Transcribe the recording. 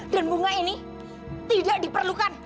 dan bunga ini tidak diperlukan